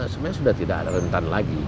sebenarnya sudah tidak ada rentan lagi